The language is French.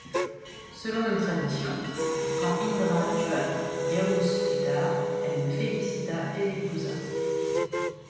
Selon une tradition, quand Indra tua Dyaus Pitar, elle le félicita et l'épousa.